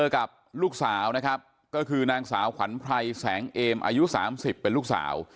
ก็คือนางสาวขวัญไพรแสงเอมอายุ๓๐เป็นลูกสาว